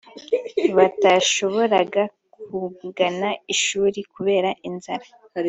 batashoboraga kugana ishuri kubera inzara